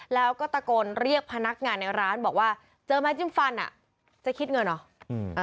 แล้วก็ตะโกนเรียกพนักงานในร้านบอกว่าเจอไม้จิ้มฟันอ่ะจะคิดเงินเหรอ